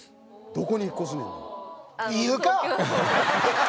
「どこに引っ越す？」。